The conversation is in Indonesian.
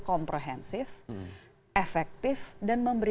vidual benar benar melepas efektif dan memberikan